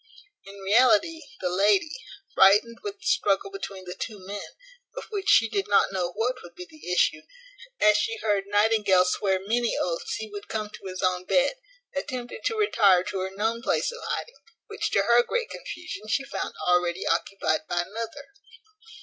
In reality the lady, frightened with the struggle between the two men, of which she did not know what would be the issue, as she heard Nightingale swear many oaths he would come to his own bed, attempted to retire to her known place of hiding, which to her great confusion she found already occupied by another.